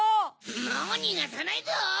もうにがさないぞ！